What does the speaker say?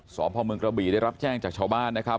สพเมืองกระบี่ได้รับแจ้งจากชาวบ้านนะครับ